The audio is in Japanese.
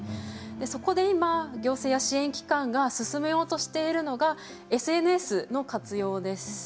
そこで今行政や支援機関が進めようとしているのがＳＮＳの活用です。